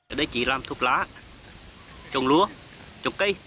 ở đây chỉ làm thuốc lá trồng lúa trồng cây